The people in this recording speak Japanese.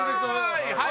はい！